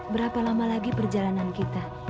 berapa lama lagi perjalanan kita